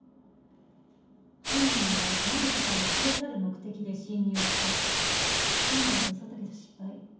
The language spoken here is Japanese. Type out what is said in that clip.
犯人は川寺さんを連れ去る目的で侵入してスタンガンで襲ったけど失敗。